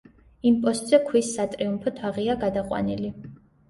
იმპოსტზე ქვის სატრიუმფო თაღია გადაყვანილი.